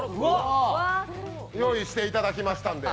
用意していただきましたんで。